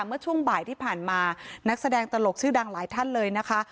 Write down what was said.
เมื่อช่วงบ่ายที่ผ่านมานักแสดงตลกชื่อดังหลายท่านเลยนะคะ